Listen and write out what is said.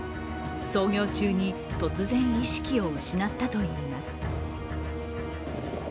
操業中に突然意識を失ったといいます。